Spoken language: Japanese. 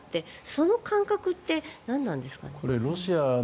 その感覚って何なんですかね？